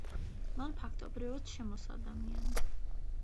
მან ფაქტობრივად შემოსა ადამიანი.